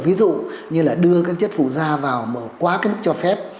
ví dụ như đưa các chất phụ gia vào quá mức cho phép